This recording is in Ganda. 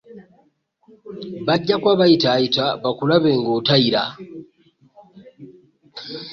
Bajja kuba bayitaayita bakulabe ng'otayira.